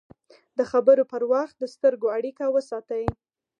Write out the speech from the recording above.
د خبرو پر وخت د سترګو اړیکه وساتئ